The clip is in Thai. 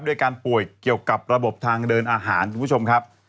ด้วยการป่วยเกี่ยวกับระบบทางเดินอาหารคุณผู้ชมครับ